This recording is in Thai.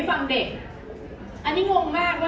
อ๋อแต่มีอีกอย่างนึงค่ะ